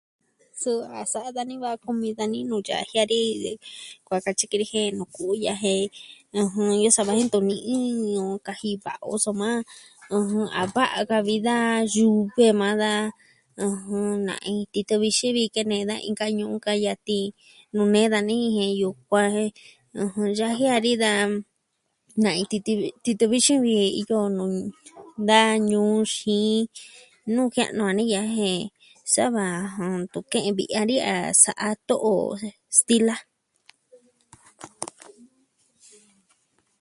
Suu a sa'a dani va kumi dani nuu yaji dani kuaa katyi ki ni jen nuu ku'u ya'a jen... ɨjɨn, iyo sava jen tuni ii nuu kaji va o soma, ɨjɨn, a va'a a ka vi da yu've maa da, ɨjɨn na iin titɨ vixin vi kene da inka ñuu ka nyatin nuu nee dani jen yukuan jen, ɨjɨn, yaji dani daja nai in titi... titɨ vixin ni iyo nuu da ñuu xiin nuu jia'nu a ni ya'a jen sava jɨn, ntu ke'en vi a ni a sa'a to'o stila.